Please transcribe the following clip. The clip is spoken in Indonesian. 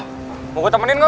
lu mau gua temenin gak